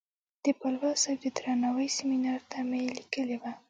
د پالوال صاحب د درناوۍ سیمینار ته مې لیکلې وه.